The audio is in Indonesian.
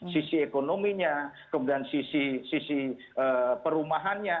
sisi ekonominya kemudian sisi perumahannya